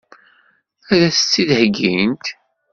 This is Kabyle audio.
Ad as-tt-id-heggint?